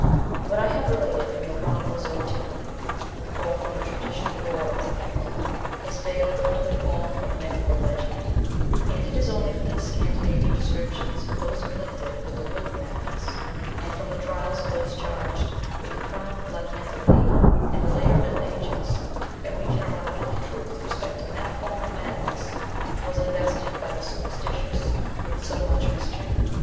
What I haye related from the chronicles of antiquity, or from the traditional lore of the people, is veiled under the form of myth or legend ; and it is only from Scandinavian descriptions of those afflicted with the wolf madness, and from the trials of those charged with the crime of lycanthropy in the later Middle Ages, that we can arrive at the truth respecting that form of mad ness which was invested by the superstitious with so much mystery.